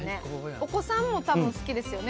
お子さんも多分好きですよね